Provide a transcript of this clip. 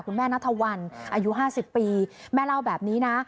คุณแม่นาธวรรณอายุ๕๐ปีแม่เล่าแบบนี้นะ